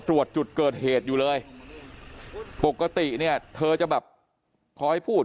ตรวจจุดเกิดเหตุอยู่เลยปกติเนี่ยเธอจะแบบคอยพูด